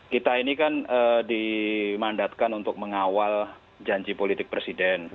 kita ini kan dimandatkan untuk mengawal janji politik presiden